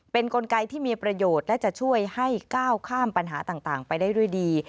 เป็นกลไกที่มีประโยชน์และจะช่วยให้ก้าวข้ามปัญหาต่างไปได้ด้วยดี